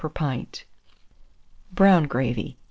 per pint. BROWN GRAVY.